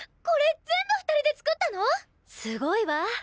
これ全部２人で作ったの⁉すごいわ。